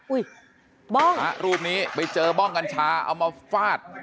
บ้องพระรูปนี้ไปเจอบ้องกัญชาเอามาฟาด